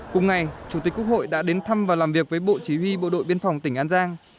cùng ngày chủ tịch quốc hội đã đến thăm và làm việc với bộ chỉ huy bộ đội biên phòng tỉnh an giang